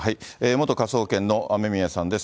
元科捜研の雨宮さんです。